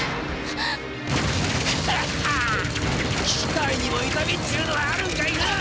機械にも痛みっちゅうのはあるんかいのう？